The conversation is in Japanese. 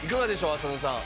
浅野さん。